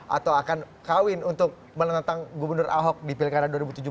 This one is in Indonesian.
atau akan kawin untuk menentang gubernur ahok di pilkada dua ribu tujuh belas